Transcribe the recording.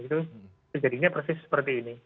itu terjadinya persis seperti ini